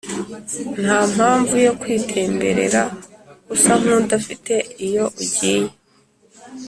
nta mpamvu yo kwitemberera usa nk’udafite iyo ugiye